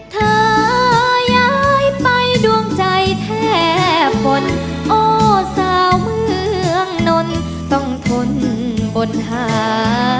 เธอย้ายไปดวงใจแทบฝนโอ้สาวเมืองนนท์ต้องทนบนหา